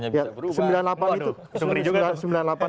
sistem pemiluannya bisa berubah